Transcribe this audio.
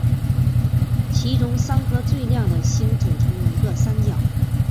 其中三颗最亮的星组成一个三角。